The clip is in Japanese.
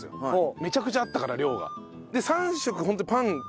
めちゃくちゃあったから量が。